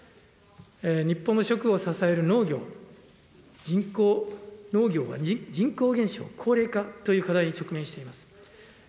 日本の食を支える農業、人口、農業は人口減少、高齢化という課題に直面しています。